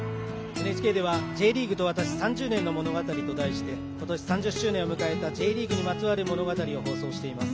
ＮＨＫでは「Ｊリーグと私３０年の物語」と題して今年３０周年を迎えたＪリーグにまつわる物語を募集しています。